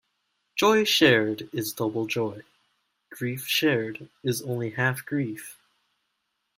Joy shared is double joy; grief shared is only half grief.